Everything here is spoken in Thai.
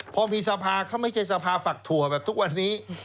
พอมีสภาเขาไม่ใช่สภาฝักถั่วแบบทุกวันนี้